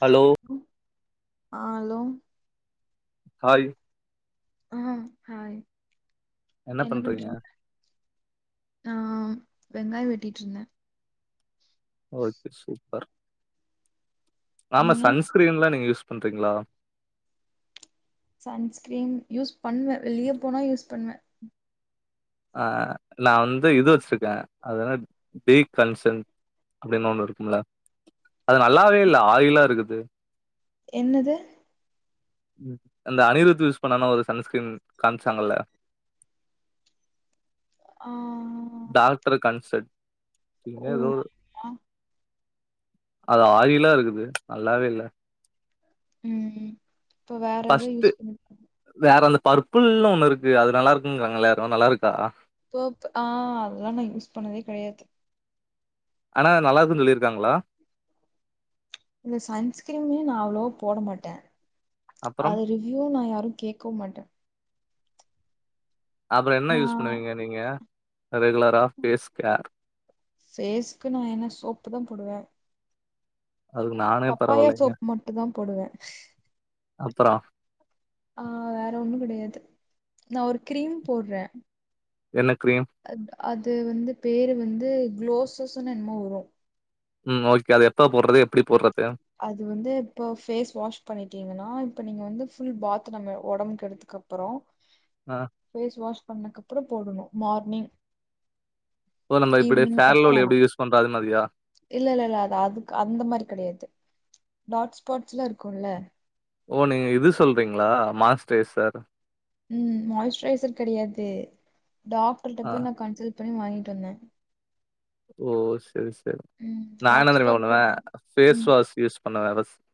Hello ஆ hello hi ஆ hi என்ன பண்றீங்க நா வெங்காயோ வெட்டிட்டு இருந்தே ஓகே சூப் பர் ஆமா நீங்க சன்ஸ்கிரீன்ல்லா நீங்க யூஸ் பண்ட்ரீங்களா சன்ஸ்கிரீன் யூஸ் பண்ணுவே வெளியே போனா யூஸ் பண்ணுவே ஆ நா வந்து இது வச்சிருக்கே அதுன டே கன்சன் அப்பிடின்னு ஒண்ணு இருக்கும்ல அது நல்லாவே இல்ல ஆயிலா இருக்குது என்னது ம் அந்த அனிருத் யூஸ் பண்ணானா ஒரு சன்ஸ்கிரீன் காமிச்சாங்கல ஆ இங்க ஓ எதோனு ஆ அது ஆயிலா இருக்குது நல்லாவே இல்ல ம் ம் இப்ப வேற ஏதோ ஃபர்ஸ்ட் யூஸ் பண்ணுங் வேற அந்த பர்பிள்னு ஒன்னு இருக்கு அது நல்லா இருக்குங்கறாங்க எல்லயாரு நல்லா இருக்கா போப் ஆ அதெல்லா நா யூஸ் பண்ணதே கெடையாது ஆனா நல்லா இருக்குன் சொல்லிருக்காங்களா இந்த சன்ஸ்கிரீம் நா அவ்ளோவா போட மாட்டே அப்புறம் அது ரிவ்யூ நா யாரும் கேக்கவு மாட்டே அப்பறம் என்ன நா யூஸ் பண்ணுவீங்க நீங்க ரெகுலரா ஃபேஸ் கேர் ஃபேஸ்க்கு நா என்ன சோப்பு தா போடுவே அதுக்கு நானே பப்பாயா பரவாயில்லைங்க. சோப் மட்டு தா போடுவே அப்பறம் ஆ வேற ஒண்ணு கெடையாது நா ஒரு கிரீம் போர்றே என்ன கிரீம் அது வந்து பேரு வந்து குளோசஸ்ன்னு என்னமோ வரு ம் ஓகே அது எப்ப போடுறது எப்டி போடுறது அது வந்து இப்ப பேஸ் வாஷ் பண்ணிட்டீங்கன்னா இப்ப நீங்க வந்து புல் பாத் நம்ம வொடம்புக்கு எடுத்துக்கு அப்பறோ ஆ ஃபேஸ் வாஷ் பண்ணக்கப்பறம் போடணு மார்னிங் ஓ நம்ம இப்டி ஈவினிங் எப்ப ஃபேர்லவ்லி வேணு எப்டி யூஸ் பண்றோ அது மாதிரியா இல்ல இல்ல இல்ல அது அதுக்கு அந்த மாரி கெடையாது டாட் ஸ்பாட்ஸ்ல இருக்கும்ல ஓ நீங்க இது சொல்றீங்களா மாஸ்டேசர் உம் மாயஸ்சுரைசர் கெடையாது டாக்டர்ட்ட ஆ போய் நா கன்சல்ட் அப்பனு வாங்கிட்டு வந்தே ஓ செரி ச த ம் நா என்ன டாக் தெரிமா ஸ்பாட்ஸ் பண்ணுவ இருக்கு ஃபேஸ் ம் வாஷ் யூஸ் பண்ணு [unintelligible]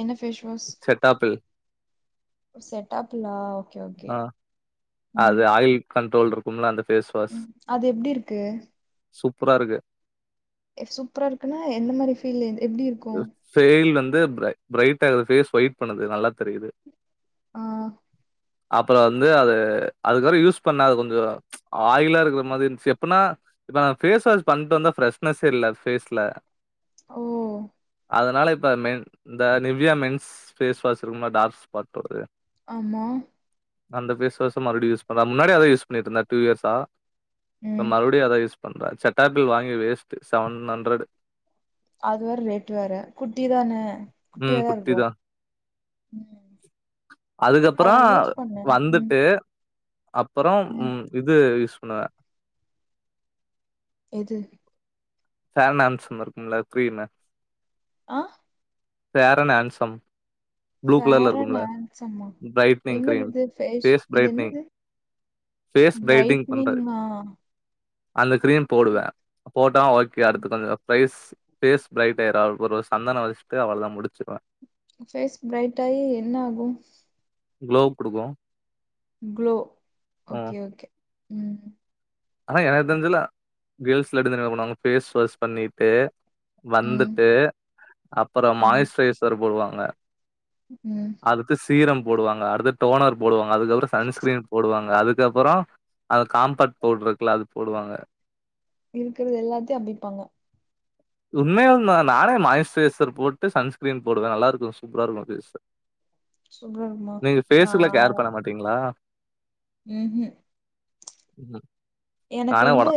என்ன ஃபேஸ் வாஷ் செடடாபில்லா ஓகே ஓகே ஆ ம் அது ஆயுள் கண்ட்ரோல் இருக்கும்ல அது ம் அது எப்டி இருக்கு புறா இருக்கு சூப்பரா இருக்குன்னா எந்த மாதிரி ஃபீல்ல இருந்து ஃபெயில் வந் து பிரை பிரைட் ஆகுது பேஸ் ஒயிட் பண்ணுது நல்லா தெரியுது ம் அப்புறோ வந்து அது அதுக்கப்புறோ யூஸ் பண்ணா அது கொஞ்சோ ஆயிலா இருக்குற மாதிரி இருஞ்சு எப்பனா இப்ப நா பேஸ் வாஷ் பண்ணிட்டு வந்தா ஃப்ரெஷ்னஸ்யே இல்ல பேஸ்ல ஓ அதனால இப்ப மென் இந்த நிவ்யா மென்ஸ் ஃபேஸ் வாஷ் இருக்குல்ல டார்க் ஸ்பாட் வருது ஆமா அந்த ஃபேஸ் வாஷ்ச மறுபடியு யூஸ் பண்ற முன்னாடியே அத யூஸ் பண்ணிட்ருந்த டூ இயர்ஸா இப்ப ம் மறுபடியு அதா யூஸ் பண்ற செட்டாபில் வாங்கி வேஸ்ட்டு செவன் ஹண்ரடு அது வேற ரேட் வேற குட்டி தான ம் குட்டியாதா இருக்கு குட்டிதா ம் அத அதுக்கப்புறோ நா யூஸ் பண்ண ம் வந்துட்டு அப்புறோ ம் இது யூஸ் பண்ணுவ எது [unintelligible] இருக்கும்ல கிரீமு ஆ ஃபேரன் ஏன்சம் ஃபேரன் ஏன்சமா பிரைட்னிங் என்னது கிரீம் இது ஃபேஸ் இது என்னது ஃபேஸ் பிரைட்னிங் பண்றது பிரைட்னிங்கா அந்த கிரீம் போடுவ போட்டா ஓக் அதுக்குதா அந்த பிரைஸ் ஃபேஸ் பிரைட் எறால் ஒரு சந்தனோ வெச்சுட்டு அவ்ளதா முடுஞ்சு அவ்ளதா ஃபேஸ் பிரரைட் ஆயி என்ன ஆகும் குளோ குடுக்கு குளோ ம். ஓகே ஓகே ம் ஆனா எனக்கு தெருஞ்சுலா கேள்ஸ்லா எப்டி தெரிமா பண்ணுவாங்க ஃபேஸ் வாஷ் பண்ணிட்டு ம் வந்துட்டு அப்புறோ ம் மாயிஸ்ட்ரைசர் போடுவாங்க ங்க ம் சீரம் போடுவாங்க அடுத்து டோனர் போடுவாங் அதுக்கப்புறோ சன்ஸ்கிரீன் போடுவாங் அதுக்கப்புறோ அது காம்பேக் பவுடுரு இருக்குல்ல அது போடுவாங்க இருக்குறது எல்லாத்தையு அப்பிப்பாங்க உண்மையாலுந்தா நானே மாயிஸ்ட்ரைசர் போட்டு சன்ஸ்கிரீன் போடுவ நல்லா இருக்கு சூப்பரா இருக்கு ஃபேஸ்சு சூப்பரா இருக்குமா நீங்க ஃபேஸ்சுகெல்லா கேர் பண்ண மாட்டீங்களா ம்வூ இதா எனக்கு வந்து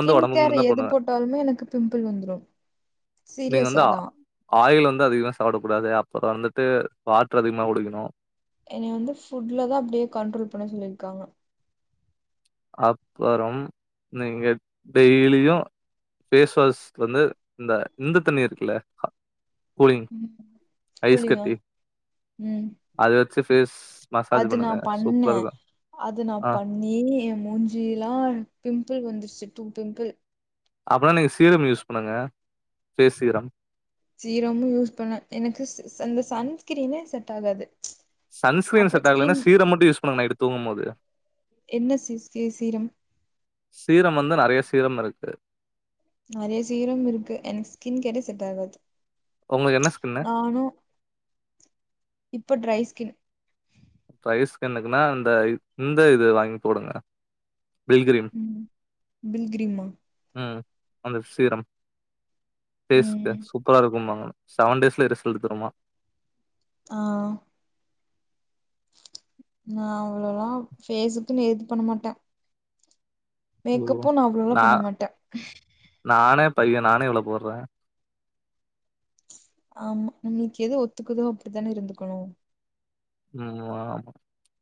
வந்து உடம்புக்கு கேர் மட்டும் தான் எது போடுவேன். போட்டாலுமே எனக்கு பிம்பிள் வந்துரு சீரியஸாதா து அதிகமா சாப்படக்கூடாது அப்புறோ வந்துட்டு வாட்ரு அதிகமா குடிக்கணு என்னய வந்து ஃபுட்லதா அப்டியே கண்ட்ரோல் பண்ண சொல்லியிருக்காங்க. அப்பறம் நீங்க டெய்லியு ஃபேஸ் வாஷ் வந்து இந்த இந்த தண்ணி இருக்குல்ல அ கூலிங் ஐஸ் கூலிங்கா கட்டி ம் அத வச்சு ஃபேஸ் மசாஜ் அது நா பண்ணுங்க. சூப்பரா பண்ணே இருக்கும். அது நா ஆ பண்ணி மூஞ் சியல்லா பிம்பிள் வந்துருச்சு டூ பிம்பிள் அப்பனா நீங்க சீரம் யூஸ் பண்ணுங்க பேஃஸ் சீரம் சீரமு யூஸ் பண்ணே எனக்கு ச சன் இந்த சன்ஸ்கிரீனே செட் ஆகாது சன்ஸ்கிரீன் அப்புறம் செட் ஆகலனா ஸ்கின் சீரம் மட்டு யூஸ் பண்ணுங்க நைட்டு தூங்கும்போது என்ன சீ சீ சீரம் சீரம் வந்து நெறைய சீரம் இருக்கு. நெறைய சீரம் இருக்கு எனக்கு ஸ்கின் கேரே செட் ஆகாது. உங்களுக்கு என்ன ஸ்கின்னு? நானு இப்ப டிரை கின் டிரை ஸ்கின்னுக்குன்னா இந்த இந்த இது வாங்கி போடுங்க. பில்கிரிம் ம் பில்கிரிம்மா? ம். அந்த சீரம் ஃபேஷ்க்கு ம் சூப்பரா இருக்கும்பாங்க ஆனா செவன் டேஸ்லயே ரிசல்ட் தருமா ஆ நா அவ்ளோல்லா ஃபேஸுக்குன்னு எது பண்ண மாட்டே ஓ மேக்கப்பு அவ்ளோலா நா பண்ண மாட்டே நானே பைய நா னே இவ்ளோ போட்றே ஆமா நம்மளுக்கு எது ஒத்துக்குதோ அப்டித்தானே இருந்துக்கணு ம் ஆமா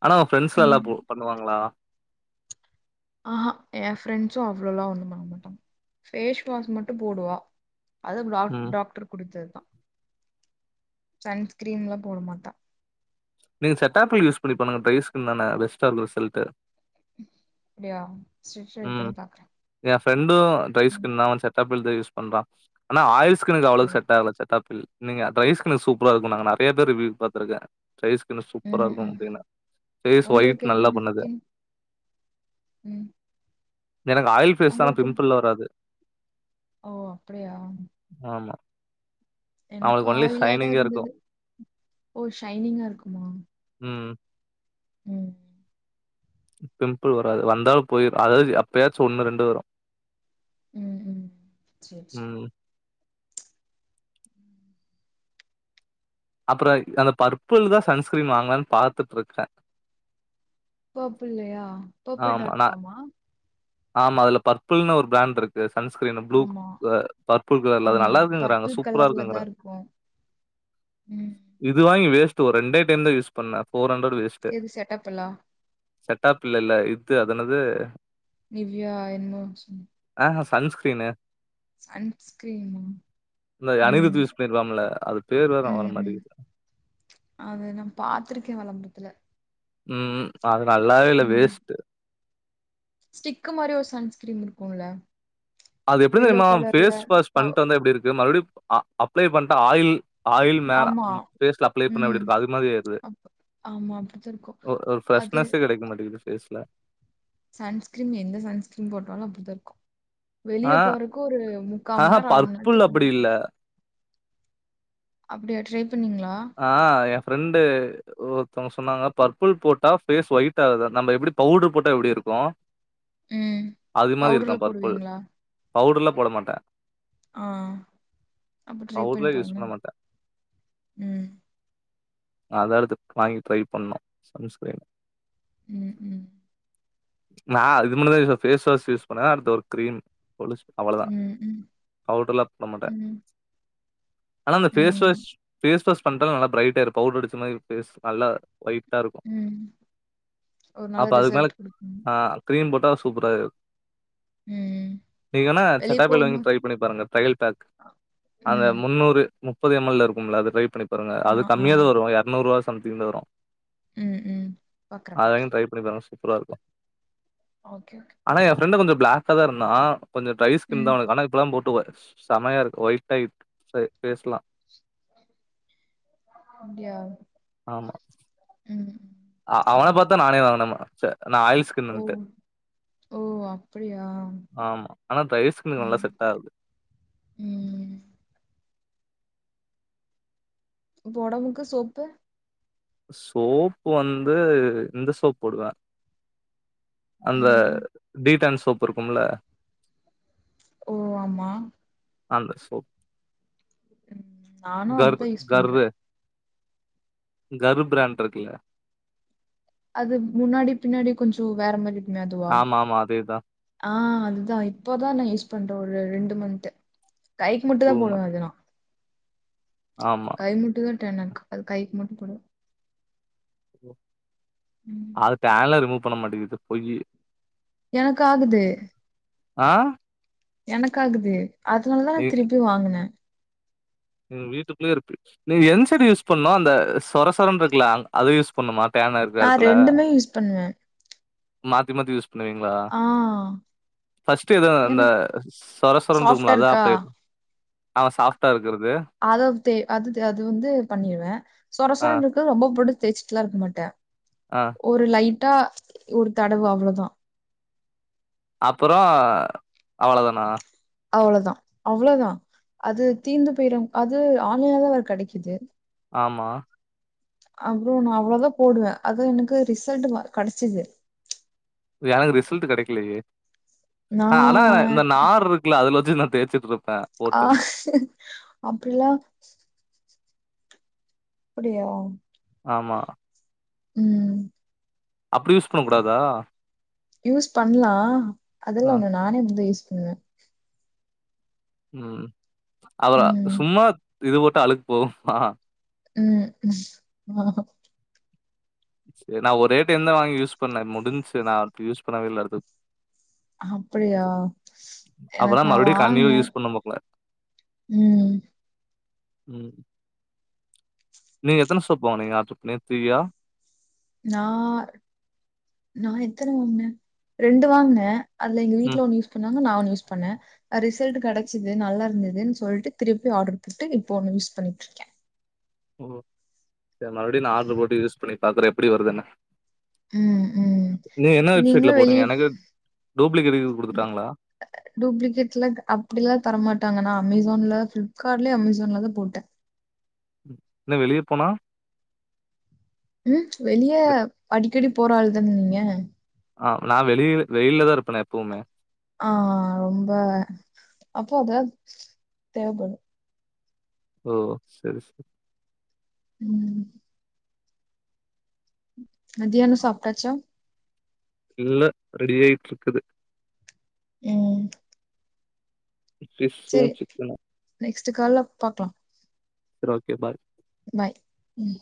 ஆனா உங்க ஃப்ரெண்ட்ஸ் எல்லா ம் போ பண்ணுவாங்களா ஆஹா ஏன் ஃப்ரெண்ட்ஸு அவ்ளோல்லா ஒன்னும் பண்ண மாட்டாங்க ஃபேஸ் வாஷ் மட்டு போடுவா அதும் டா ம். டாக்டர் குடுத்ததுதா சன்ஸ்கிரீன்லா போட மாட்டா நீங்க செட்டாப்பிள் யூஸ் பண்ணிருப்பானுங்க ட்ரை ஸ்கின் தான பெஸ்ட்டா இருக்கும் ரிசல்ட்டு அப்டியா செரி ட்ரை ம் பண்ணி பாக்குறே என் ஃப்ரெண்டும் டிரை ம் ஸ்கின் தான் அவன் செட்டாப் பிள் தா யூஸ் பண்றான் ஆனா ஆயில் ஸ்கின்னுக்கு அவ்ளோ சரி. செட் ஆகல செட்டாப்பில் நீங்க டிரை ஸ்கின்க்கு சூப்பரா இருக்குன்னாங்க நறையா பேர் ரிவ்யூ பாத்துருக்கேன் டிரை ஸ்கின்னு சூப்பரா ம் இருக்கும் ம் அப்டின்னா பேஸ் உங்களுக்கு ஒயிட் என்ன நல்லா பண்ணுது ஸ்கின் ம் எனக்கு ஆயில் பேஸ் தா ஆனா உங்களுக்கு என்ன? பிம்பள்லா வராது ஓ அப்டியா ஆமா. எனக்கு அவனுக்கு ஒன்லி ஆயிலாதான் ஷைனிங்கா இருக்கும். இருந்தது ஓ ஷைனிங்கா இருக்குமா ம். ம் பிம்பள் வராது வந்தாலும் போய்ரும் அதாவது எப்பயாச்சும் ஒண்ணு ரெண்டு வரும் ம் ம் செரி செரி ம். அப்புறம் அந்த பர்பள் தான் சன்ஸ்கிரீன் வாங்கலான்னு பாத்துட்டு இருக்கே பர்ப்புள்ளையா பர்ப்பிள் டாட் காமா ஆமா அதுல பர்பிள்னு ஒரு பிராண்டு இருக்கு சன் ஸ்கிரீனு ப்லு ஆமா. பர்பள் கலர்ல அது ஆமா. நல்லா இருக்குன்கிறாங்க பர்பிள் சூப்பரா கலர்ல இருக்குன்கிறா தான் இருக்கும். ம். இது வாங்கி வேஸ்ட் து ரெண்டே டைம் தான் யூஸ் பண்ண ஃபோர் ஹண்ட்ரட் வேஸ்ட்டு எது செட்டப்லா? செட்டாப்பிள் இல்ல இது அதென்னது நிவ்யா என்னோ சொ சன்ஸ்கிரீனு சன்ஸ்கிரீனா இந்த அனிருத் ம் யூஸ் பண்ணிருப்பான்ல அது பேர் வேற வர ம் ம் மாட்டேங்குது. அத நான் பாத்திருக்கேன் வெளம்பரத் துல ம் ம் ஆக நல்லாவே இல்ல வேஸ்ட்டு ஸ்டிக்கு மாரி ஒரு சன்ஸ்கிரீம் இருக்கும் இல்ல அது எப்படி தெரிமா ஃபேஸ் வாஷ் அ பண்ட்டு வந்தா எப்டி இருக்கு மறுபடி அ ஙஅப்ளை பண்ட்டா ஆயில் ஆயில் மேல ஆமா. பேஸ்ல அப்ளை பண்ணா எப்டி ம். இருக்கும் அது மாதிரி இருக்குது அப் ஆமா அப்படித்தான் இருக்கும். ஒ ஒரு அது ஃபிரஷ்னஸே கெடைக்க மாட்டிகிது பேஸ்ல சன்ஸ்கிரீம் எந்த சன்ஸ்கிரீன் போட்டாலு அப்டிதா இருக்கு வெளிய ஆ போறக்கு ஒரு முக்கா ஆஹ மண்ணேர அர மணி பர்பிள் நேரத்துக்கு அப்டி முன்னாடி இல்ல. போட்டிரு பண்ணீங்களா? ஆ எ ஃப்ரெண்டு ஒருத்தங்க சொன்னாங்க பர்பிள் போட்டா பேஸ் ஒயிட் ஆகுது நம்ம எப்டி பவுடர் போட்டா எப்டி இருக்கு ம். அது மாதிரி இருக்கா பவுடர்ல பர்பிள் போடுவீங்களா? பவுடர்லா போட மாட்டே ஆ அப்ப ட்ரை பவுடர்லாம் யூஸ் பண்ணிப்பாருங்க பண்ண உம் அத அடுத்து வாங்கி ட்ரை பண்ணோ சன்ஸ்கிரின் உம்-உம் நா அது மட்டு தா பேஸ் வாஷ் யூஸ் பண்ணுவ அடுத்து ஒரு கிரீம் அவ்வளதா ம். ம். பவுடர்லா பண்ண மாட்டே ம். ஆனா அந்த பேஸ் வாஷ் ம். பேஸ் வாஷ் பண்றது நல்ல பிரைட்ட ஆயிரு பவுடரடிச்ச மாரி பேஸ் நல்லா ஒயிட்டா இருக்கோ ம். ஒரு நல்ல அப்ப அதுக்கு மேல ரிசல்ட் குடுக்கும். ஆ கிரீம் போட்டு தா சூப்பரா ம். நீங்கன்னா வெளிய சட்டாப்பல் வாங்கி போகும்போது ட்ரை பண்ணி பாருங்க ட்ரையல் பேக் அந்த ம். முன்னூறு முப்பது எம் எல்ல இருக்கு ம் அது ட்ரை பண்ணி பாருங்க அது கம்மியா தா வரு எரநூறுபா சம் சம்திங்தா வரு உம்-உம் பாக்கற-பாக்கற வாங்கி ட்ரை பண்ணி பாருங்க. சூப்பரா இருக்கு ஓகே-ஓகே கதர்ந்தா கொஞ்சோ ட்ரை ஸ்கின் தா அவனுக்கு ஆனா இப்போலா சமயாருக்கு ஒயிட்டாருக்கு பேஸ்லா அப்டியா ஆமா ம். ம். அ அவன சரி ஓகே. பாத்தா நானே வாங்குன அ நா ஆயில் ஓ! ஸ்கின்ட்டு ஓ! அப்படியா? ஆமா ஆனா ட்ரய் ஸ்கின்க்கு நல்லா ம். செட் ஆகுது ம். ப்ப ஒடம்புக்கு சோப்பு சோப் வந்து இந்த சோப் போடுவே அந்த ம். டீடன்ஸ் சோப்பு இருக்குல்ல ஓ ஆமா அந்த சோப் ம். நானும் கர் அதுதான் யூஸ் பண்றேன். கர்ரு கர் பிராண்ட் இருக்குல்ல அது முன்னாடி பின்னாடி கொஞ்சோ வேற மாரி இருக்குமே ஆமா ஆமா அதேதா அத்தா இப்போதா நா யூஸ் பண்றே ஒரு ரெண்டு மந்த் கைக்கு மட்டுதா போடுவ மந்த் அதுனா ஆமா. கை முட்டங்க டேனாக்கு அது கைக்கு மூட்ட போடுவே ம் அது டேன்ல்லா ரிமூவ் பண்ணமாட்டேங்குது பொய்யி எனக்கு ஆகுது ஆ எனக்கு ஆகுது அதனாலதா நீ திருப்பி வாங்குனே வீட்டுக்குள்ளயே இருப்ப நீ என் சைடு யூஸ் பண்ணு அந்த சொரசொர இருக்கல அத யூஸ் பண்ணுமா டேன் இருக்கிற நா எடத்துல ரெண்டுமே யூஸ் பண்ணுவே மாத்தி மாத்தி யூஸ் ண்ணுவீங்களா ஆ பஸ்ட் எது அந்த எனக்கு சொரசொரனு சாஃப்டா இருக்கும்ல அதா இருக்கா அப்ளே ப ஆ சாஃப்டா இருக் அததே அது த் அது வந்து பண்ணிருவே ஆ சொரசொரனு இருக்கு ரொம்ப புடிச் தேச்சுட்டுலா இருக்கமாட்டே ஆ ஒரு லைன் ட்டா ஒரு தடவு அவ்ளோதா அப்புறோ அவ்ளோதானா அவ்ளதா அவ்ளதா அது தீந்து போயிரு அது ஆன்லைன்லதா வேற கெடைக்குது ஆமா அப்புறோ நா அவ்ளோதா போடுவே அதா எனக்கு ரிசல்ட் வ கெடச்சிது எனக்கு ரிசல்ட் கெடைக்கலையே நா ந ஆனா இந்த நார் இருக்குல்ல அதுல வச்சு [unintelligible] ப்ரோ ஆ அப்றிலா அப்படியா ஆமா உ அப்டி யூஸ் பண்ண கூடாதா யூஸ் பண்லா ஆ அதுலா உண்ண நானே ம [unintelligible] [unintelligible] உ அவதா ம் சும்மா இத போட்டா அழுக்கு போகுமா உ [unintelligible] இது நா ஒருரே டைமுதா வாங்கி யூஸ் பண்ணே முடிந்ச்சு நா அடுத் யூஸ் பண்ணவே இல்ல அடுத் அப்படியா அப்பதா எனக்கு நா மறுபடியு கண்டினியூ வாங்கினே யூஸ் பண்ண போல உ எ நீங்க எத்தன சொப்பு வாங்குனீங்க நேத்தியா நா நா எத்தன வாங்கினே ரெண்டு வாங்கினே அது எங்க ம் விட்ல ஒன்னு யூஸ்பண்ணா ஒன்னு நா ஒன்னு யூஸ் பண்ணே ரிசல்ட் கெடைச்சுது நல்லா இருந்ததுன்னு சொல்லிட்டு திருப்பி ஆடர் போட்டு இப்ப யூஸ் பண்ணிட்ருக்கே ஓ சரி மறுபடி நா ஆடர் போட்டு யூஸ் பண்ணி பாக்குறே எப்டி வருதுன்னு உ உ நீங்க என்ன இப்ப வெப்சைட்ல நீங்களு வெளிய போட்டீங்க எனக்கு டூப்ளிகேட் எதும் குடுத்துட்டாங்களா டூப்ளிகேட் எல அப்டி லா தரமாட்டாங்கன்னா அமேசான்ல பிப்ளிப்கார்ட்லயே அமேசான்ல தா போட்டே என்ன வெளிய போனா உ வெளிய வெ- அடிக்கடி போற ஆள் தான நீங்க ஆ நா வெளிய வெயில்லதா இருப்பே நா எப்பவுமே ஆ ரொம்ப அப்போ அத தேவப்படு ஓ சேரி உம் மதியானோ சாப்ட்டாச்சா இல்ல ரெடியாயிட்ட இருக்குது உ பிஸ்வு சிக்கனு ஸ்ட் கால்ல பாக்கலா சரி ஓகே பாய் பாய் ம்